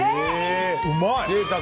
うまい！